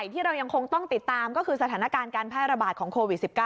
ที่เรายังคงต้องติดตามก็คือสถานการณ์การแพร่ระบาดของโควิด๑๙